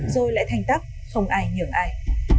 rồi lại thanh tắc không ai nhường ai